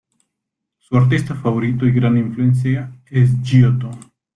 Su artista favorito y gran influencia es Giotto.